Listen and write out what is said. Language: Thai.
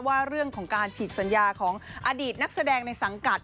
ว่าเรื่องของการฉีกสัญญาของอดีตนักแสดงในสังกัด